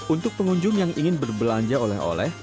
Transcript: untuk pengunjung yang ingin berbelanja untuk perjalanan ke kebun kurma